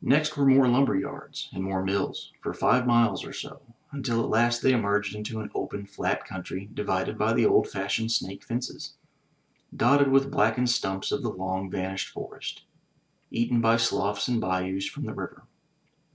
Next were more lumber yards and more mills, for five miles or so, until at last they emerged into an open, flat country divided by the old fashioned snake fences; dotted with blackened stumps of the long vanished forest; eaten by sloughs and bayous from the river.